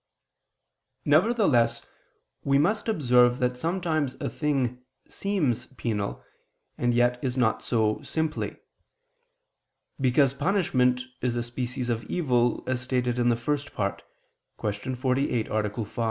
Nevertheless we must observe that sometimes a thing seems penal, and yet is not so simply. Because punishment is a species of evil, as stated in the First Part (Q. 48, A. 5).